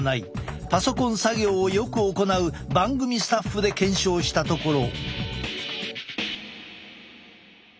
パソコン作業をよく行う番組スタッフで検証したところ。